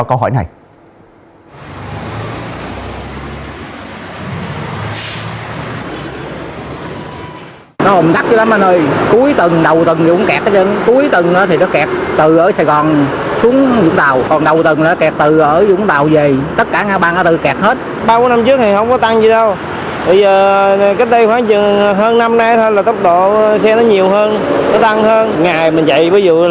cho câu hỏi này